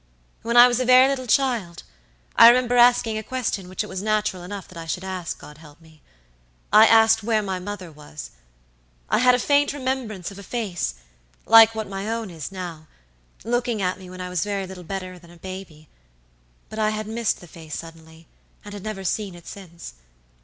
When I was a very little child I remember asking a question which it was natural enough that I should ask, God help me! I asked where my mother was. I had a faint remembrance of a face, like what my own is now, looking at me when I was very little better than a baby; but I had missed the face suddenly, and had never seen it since.